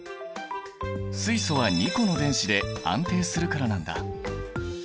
水素は２個の電子で安定するからなんだ。